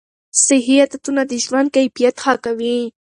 صحي عادتونه د ژوند کیفیت ښه کوي.